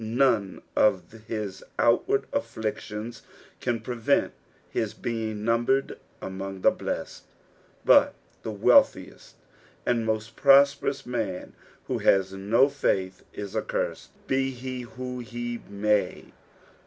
nunc of his outward af&ictiona can prevent his being niimbercd among the blessed : but the wealthiest and most prosperous man who haa no faith is accursed, be ho wbo be may.